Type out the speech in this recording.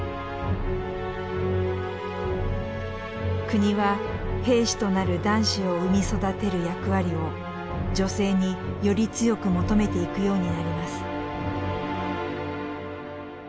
国は兵士となる男子を生み育てる役割を女性により強く求めていくようになります。